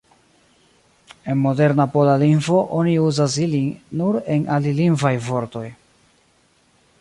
En moderna pola lingvo oni uzas ilin nur en alilingvaj vortoj.